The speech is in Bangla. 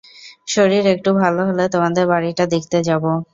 শরীর একটু ভালো হলে তোমাদের বাড়িটা দেখতে যাব।